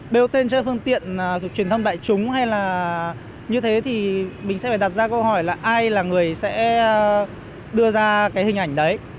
đều tên trên phương tiện truyền thông đại chúng hay là như thế thì mình sẽ phải đặt ra câu hỏi là ai là người sẽ đưa ra cái hình ảnh đấy